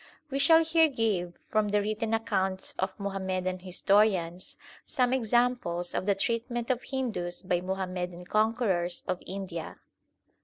We shall here give, from the written accounts of Muham madan historians, some examples of the treatment of Hindus by Muhammadan conquerors of India.